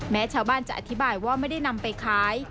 แม้ชาวบ้านจะอธิบายว่าไม่ได้นำไปขาย